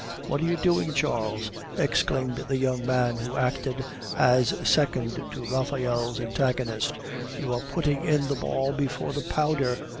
"What are you doing, Charles?" exclaimed the young man who acted as second to Raphael's antagonist; "you are putting in the ball before the powder!"